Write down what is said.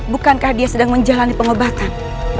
bukankah dia sedang menjalani pengobatan